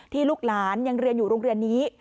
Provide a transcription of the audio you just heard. ลูกหลานยังเรียนอยู่โรงเรียนนี้